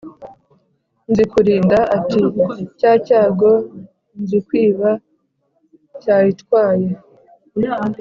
Nzikurinda ati: "Cya cyago Nzikwiba cyayitwaye!"